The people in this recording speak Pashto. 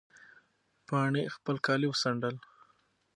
پاڼې خپل کالي وڅنډل.